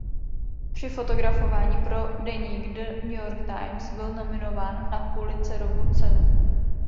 Při fotografování pro deník "The New York Times" byl nominován na Pulitzerovu cenu.